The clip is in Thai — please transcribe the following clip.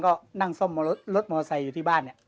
ก็นั่งซ่อมรถมอไซค์อยู่ที่บ้านเนี่ย